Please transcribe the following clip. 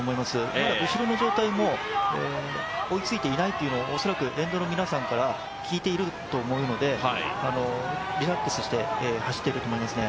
まだ後ろの状態も追いついていないというのも恐らく沿道の皆さんから聞いていると思うのでリラックスして走っていると思いますね。